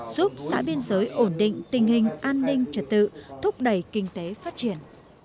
giúp xã biên giới ổn định tình hình an ninh trật tự thúc đẩy kinh tế phát triển